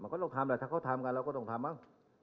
ก็ต้องทำไหมถ้าเค้าทำกันเราก็ต้องทำ